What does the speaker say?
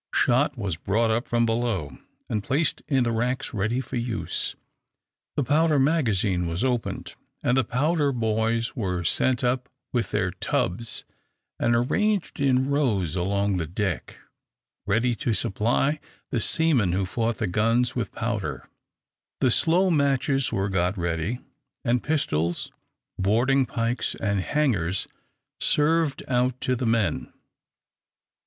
Shot were brought up from below and placed in the racks ready for use. The powder magazine was opened, and the powder boys were sent up with their tubs and arranged in rows along the deck, ready to supply the seamen who fought the guns with powder. The slow matches were got ready, and pistols, boarding pikes, and hangers served out to the men.